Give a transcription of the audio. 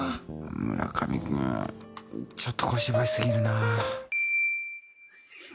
村上君ちょっと小芝居過ぎるな